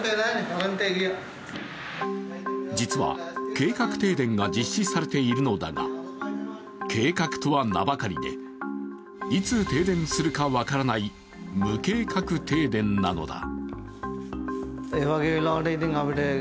実は計画停電が実施されているのだが計画とは名ばかりで、いつ停電するか分からない無計画停電なのだ。